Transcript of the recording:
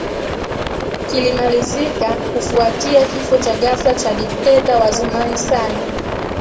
kilimalizika kufuatia kifo cha ghafla cha dikteta wa zamani Sani